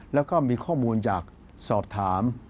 แล้วก็มีข้อมูลอยากสอบถาม